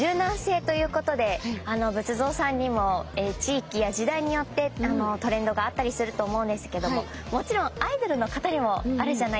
仏像さんにも地域や時代によってトレンドがあったりすると思うんですけどももちろんアイドルの方にもあるじゃないですか。